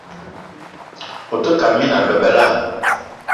Ote kate minal bebela.